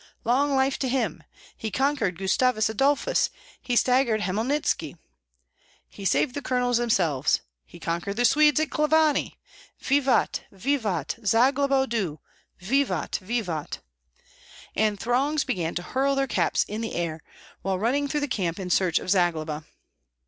"Long life to him! He conquered Gustavus Adolphus! He staggered Hmelnitski!" "He saved the colonels themselves!" "He conquered the Swedes at Klavany!" "Vivat! vivat! Zagloba dux! Vivat! vivat!" And throngs began to hurl their caps in the air, while running through the camp in search of Zagloba.